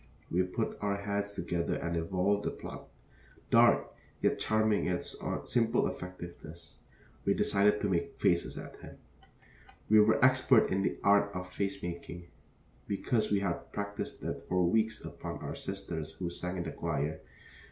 We put our heads together and evolved a plot, dark, yet charming in its simple effectiveness. We decided to make faces at him. We were expert in the art of face making, because we had practiced it for weeks upon our sisters who sang in the choir.